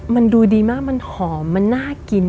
มันดูดีมากมันหอมมันน่ากิน